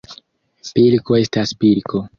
Pilko estas pilko.